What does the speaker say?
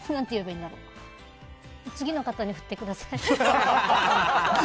次の方に振ってください。